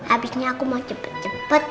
abisnya aku mau cepet cepet